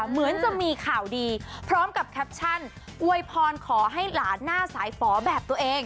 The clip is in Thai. เหมือนจะมีข่าวดีพร้อมกับแคปชั่นอวยพรขอให้หลานหน้าสายฝอแบบตัวเอง